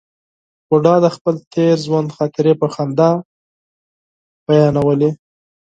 بوډا د خپل تېر ژوند خاطرې په خندا بیانولې.